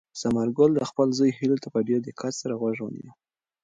ثمرګل د خپل زوی هیلو ته په ډېر دقت سره غوږ ونیو.